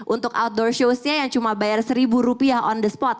untuk outdoor show nya yang cuma bayar seribu rupiah on the spot